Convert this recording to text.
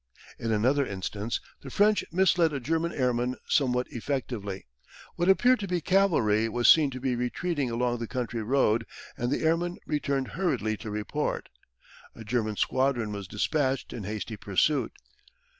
In another instance the French misled a German airman somewhat effectively. What appeared to be cavalry was seen to be retreating along the country road, and the airman returned hurriedly to report. A German squadron was dispatched in hasty pursuit.